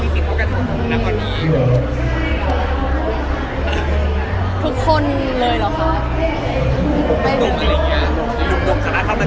แต่ว่าทุกคนมีสิทธิ์ควบคุมกับคุณนะก่อนนี้